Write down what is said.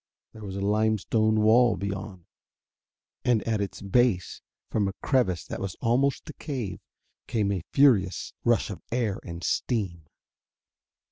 There was a limestone wall beyond. And at its base, from a crevice that was almost a cave, came a furious rush of air and steam.